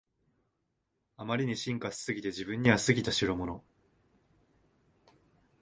あまりに進化しすぎて自分には過ぎたしろもの